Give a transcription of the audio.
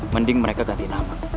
mending mereka ganti nama